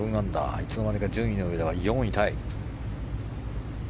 いつのまにか順位の上では４位タイ。